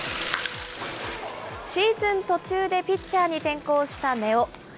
シーズン途中でピッチャーに転向した根尾。